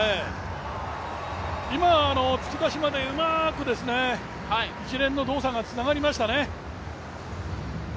今、突き出しまでうまく一連の動作がつながりましたね。